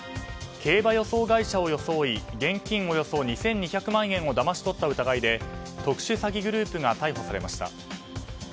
競馬予想会社を装い現金およそ２２００万円をだまし取った疑いで特殊詐欺グループが逮捕されました。